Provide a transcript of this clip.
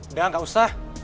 udah gak usah